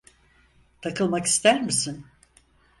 Takılmak ister misin?